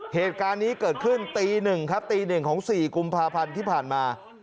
เหตุการณ์นี้เกิดขึ้นตี๑ครับตีหนึ่งของ๔กุมภาพันธ์ที่ผ่านมา